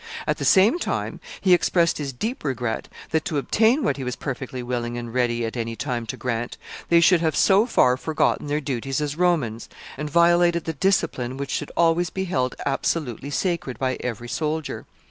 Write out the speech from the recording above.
At the same time, he expressed his deep regret that, to obtain what he was perfectly willing and ready at any time to grant, they should have so far forgotten their duties as Romans, and violated the discipline which should always be held absolutely sacred by every soldier.